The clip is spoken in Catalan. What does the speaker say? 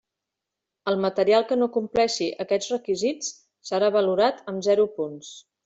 El material que no compleixi aquests requisits serà valorat amb zero punts.